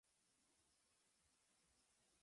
Robert Pollard es el cantante y autor de las líricas.